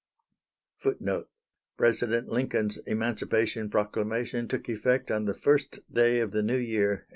[Footnote: President Lincoln's Emancipation Proclamation took effect on the first day of the New Year, 1863.